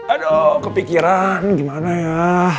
aduh kepikiran gimana ya